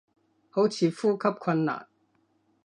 好似呼吸困難